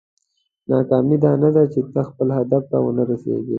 ناکامي دا نه ده چې ته خپل هدف ته ونه رسېږې.